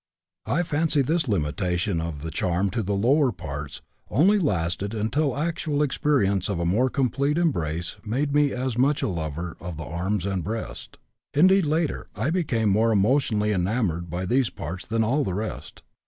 I fancy this limitation of the charm to the lower parts only lasted until actual experience of a more complete embrace made me as much a lover of the arms and breast; indeed, later I became more emotionally enamored of these parts than of all the rest.